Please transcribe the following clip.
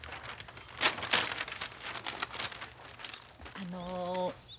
あの。